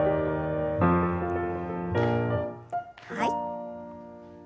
はい。